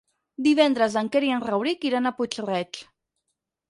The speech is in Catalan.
Divendres en Quer i en Rauric iran a Puig-reig.